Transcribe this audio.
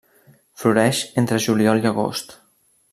Floreix entre juliol i agost.